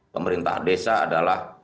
pemerintah desa adalah